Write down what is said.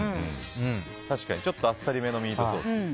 ちょっとあっさりめのミートソース。